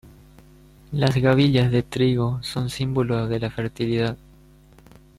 Las gavillas de trigo son símbolo de la fertilidad.